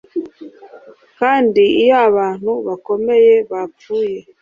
Kandi iyo abantu bakomeye bapfuye